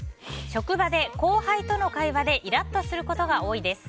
職場で後輩との会話でイラッとすることが多いです。